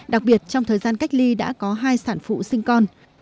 đặc biệt trong thời gian cách ly đã có hai sản phụ sinh con